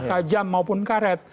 kajam maupun karet